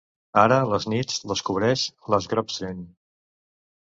Ara les nits les cobreix Les Grobstein.